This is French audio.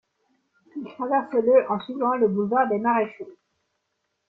Il traverse le en suivant le boulevard des Maréchaux.